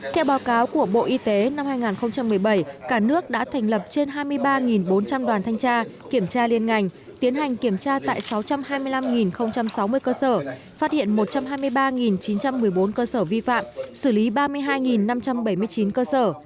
theo báo cáo của bộ y tế năm hai nghìn một mươi bảy cả nước đã thành lập trên hai mươi ba bốn trăm linh đoàn thanh tra kiểm tra liên ngành tiến hành kiểm tra tại sáu trăm hai mươi năm sáu mươi cơ sở phát hiện một trăm hai mươi ba chín trăm một mươi bốn cơ sở vi phạm xử lý ba mươi hai năm trăm bảy mươi chín cơ sở